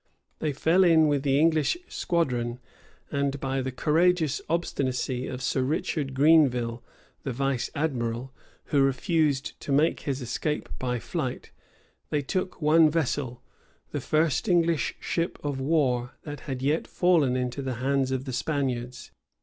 They fell in with the English squadron; and, by the courageous obstinacy of Sir Richard Greenville, the vice admiral, who refused to make his escape by flight, they took one vessel, the first English ship of war that had yet fallen into the hands of the Spaniards.